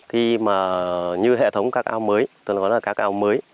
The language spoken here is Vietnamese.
khi mà như hệ thống ca cao mới tôi nói là ca cao mới